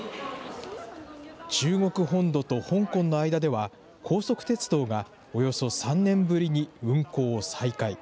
中国本土と香港の間では、高速鉄道がおよそ３年ぶりに運行を再開。